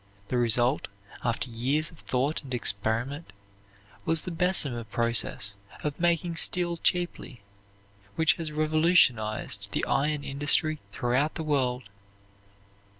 The result, after years of thought and experiment, was the Bessemer process of making steel cheaply, which has revolutionized the iron industry throughout the world.